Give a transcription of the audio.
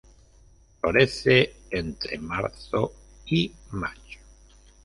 Florece entre marzo y mayo.